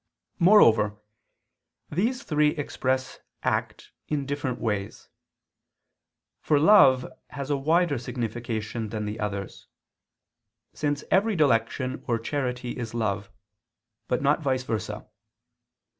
Moreover these three express act in different ways. For love has a wider signification than the others, since every dilection or charity is love, but not vice versa.